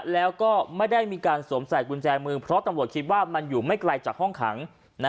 แล้วก็ไม่ได้มีการสวมใส่กุญแจมือเพราะตำรวจคิดว่ามันอยู่ไม่ไกลจากห้องขัง